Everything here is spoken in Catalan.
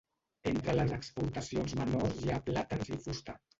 Entre les exportacions menors hi ha plàtans i fusta.